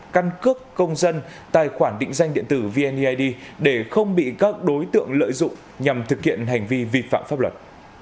căn cước công dân tài khoản định danh điện tử vneid để không bị các đối tượng lợi dụng nhằm thực hiện hành vi vi phạm pháp luật